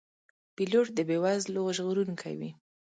پیلوټ د بې وزلو ژغورونکی وي.